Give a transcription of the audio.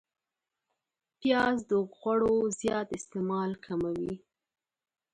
پیاز د غوړو زیات استعمال کموي